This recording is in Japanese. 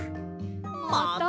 また！？